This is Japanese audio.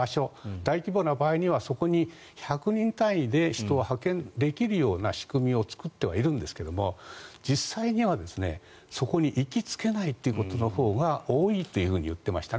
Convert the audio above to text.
大規模な場合にはそこに１００人単位で人を派遣できるような仕組みを作ってはいるんですけど実際にはそこに行き着けないということのほうが多いというふうに言っていましたね。